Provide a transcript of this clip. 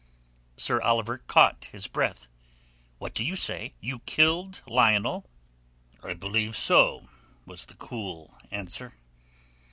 Sir Oliver caught his breath. "What do you say? You killed Lionel?" "I believe so," was the cool answer.